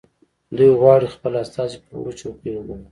دوی غواړي خپل استازي په لوړو چوکیو وګماري